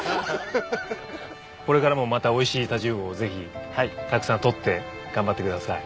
これからもまたおいしい太刀魚をぜひたくさん獲って頑張ってください。